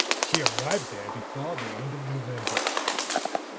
She arrived there before the end of November.